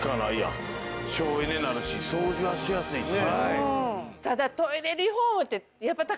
省エネになるし掃除はしやすいし。